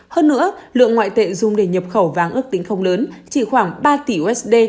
hơn nữa lượng ngoại tệ dùng để nhập khẩu vàng ước tính không lớn chỉ khoảng ba tỷ usd